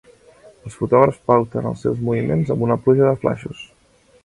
Els fotògrafs pauten els seus moviments amb una pluja de flaixos.